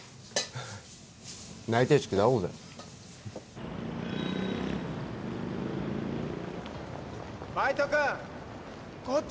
内定式で会おうぜバイト君こっち